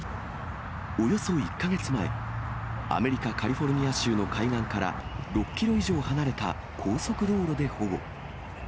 およそ１か月前、アメリカ・カリフォルニア州の海岸から、６キロ以上離れた高速道路で保護。